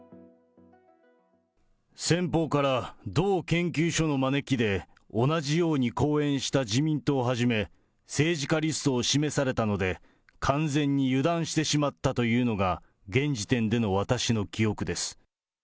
先方から、同研究所の招きで、同じように講演した自民党はじめ、政治家リストを示されたので、完全に油断してしまったというのが、現時点での私の記憶です。